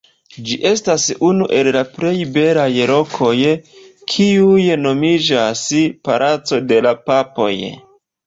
Ĝi estas unu el la plej belaj lokoj kiuj nomiĝas «Palaco de la Papoj».